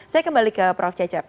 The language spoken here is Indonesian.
saya kembali ke prof cecep